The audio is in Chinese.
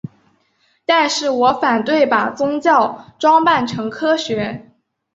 但是我反对把宗教装扮成科学。